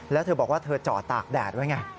แล้วเธอบอกว่าเธอจอดตากแดดไว้ไง